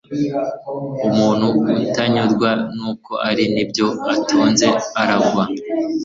umuntu utanyurwa n'uko ari n'ibyo atunze arangwa